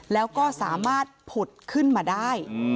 แล้วก็สามารถผุดขึ้นมาได้